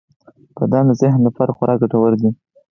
• بادام د ذهن لپاره خورا ګټور دی.